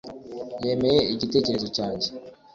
yemeye igitekerezo cyanjye